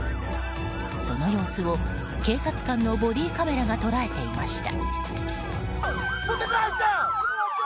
その様子を警察官のボディーカメラが捉えていました。